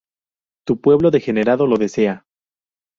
Tu pueblo degenerado lo desea.